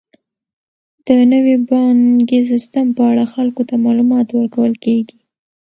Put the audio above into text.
د نوي بانکي سیستم په اړه خلکو ته معلومات ورکول کیږي.